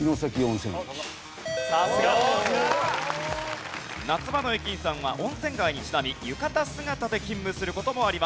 さすが。すごい！夏場の駅員さんは温泉街にちなみ浴衣姿で勤務する事もあります。